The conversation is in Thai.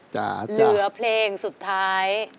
จ้ะจ้ะพี่จอสเรือเพลงสุดท้าย